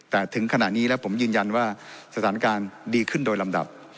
แต่ถึงขณะนี้แล้วผมยืนยันว่าสถานการณ์ดีขึ้นโดยลำดับ